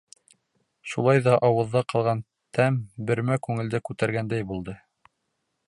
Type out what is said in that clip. Шулай ҙа ауыҙҙа ҡалған тәм бермә күңелде күтәргәндәй булды.